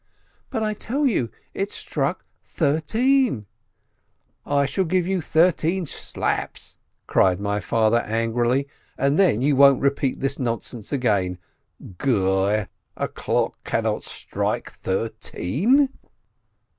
"But I tell you, it struck thirteen !" "I shall give you thirteen slaps," cried my father, angrily, "and then you won't repeat this nonsense again. Goi, a clock cannot strike thirteen